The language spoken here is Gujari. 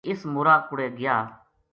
بھی یہ اس مورا کوڑے گیا